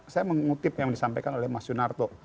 saya mengutip yang disampaikan oleh mas yunarto